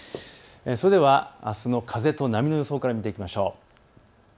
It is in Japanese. それではあすの風と波の予想から見ていきましょう。